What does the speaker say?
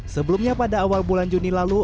sebelumnya pada awal bulan juni lalu